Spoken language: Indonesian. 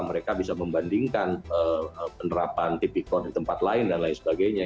mereka bisa membandingkan penerapan tipikor di tempat lain dan lain sebagainya